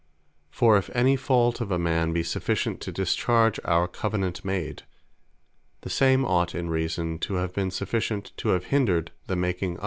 For if any fault of a man, be sufficient to discharge our Covenant made; the same ought in reason to have been sufficient to have hindred the making of it.